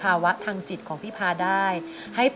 อเรนนี่คือเหตุการณ์เริ่มต้นหลอนช่วงแรกแล้วมีอะไรอีก